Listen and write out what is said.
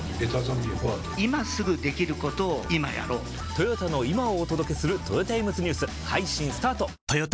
トヨタの今をお届けするトヨタイムズニュース配信スタート！！！